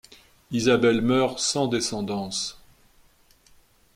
Isabelle meurt sans descendance.